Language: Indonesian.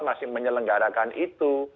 masih menyelenggarakan itu